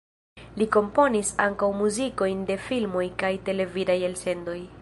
Li komponis ankaŭ muzikojn de filmoj kaj televidaj elsendoj.